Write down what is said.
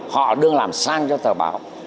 họ đương làm sang cho tờ báo